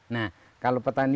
nah kalau petani